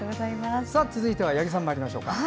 続いて、八木さんまいりましょう。